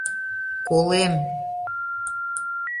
— Колем...